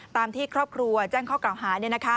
ตามที่ครอบครัวแจ้งข้อกล่าวหา